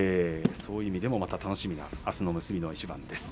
そういう意味でも楽しみなあすの結びの一番です。